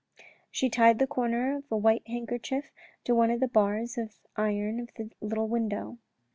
She tied the corner of a white handkerchief to one of the bars of iron of the little window.